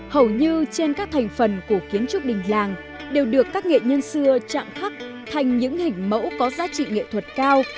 hầu như trên các thành phần của kiến trúc đình làng đều được các nghệ nhân xưa chạm khắc thành những hình mẫu có giá trị nghệ thuật cao